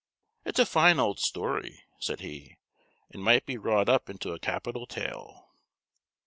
"It's a fine old story," said he, "and might be wrought up into a capital tale."